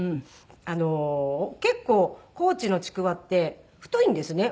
あの結構高知のちくわって太いんですね